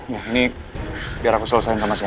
ya ini biar aku selesaikan sama sena ya